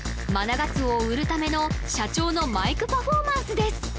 マナガツオを売るための社長のマイクパフォーマンスです